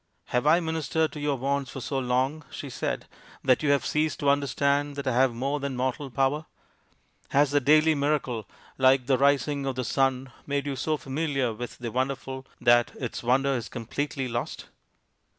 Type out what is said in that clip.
" Have I ministerea to SABALA, THE SACRED COW 209 your wants for so long," she said, " that you have ceased to understand that I have more than mortal power ? Has the daily miracle, like the rising of the sun, made you so familiar with the wonderful that its wonder is completely lost